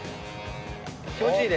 気持ちいいね。